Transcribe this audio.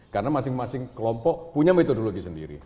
karena masing masing kelompok punya metodologi sendiri